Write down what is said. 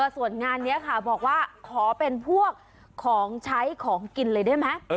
ส่วนงานนี้ค่ะบอกว่าขอเป็นพวกของใช้ของกินเลยได้ไหม